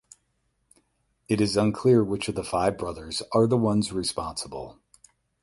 It is unclear which of the five brothers are the ones responsible.